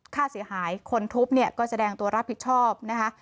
ค่าเสียหายคนทุบเนี่ยก็แสดงตัวรับผิดชอบนะคะ